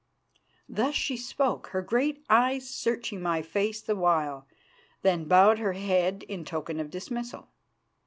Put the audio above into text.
Thus she spoke, her great eyes searching my face the while, then bowed her head in token of dismissal.